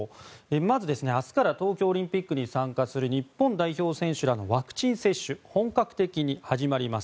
まず、明日から東京オリンピックに参加する日本代表選手らのワクチン接種本格的に始まります。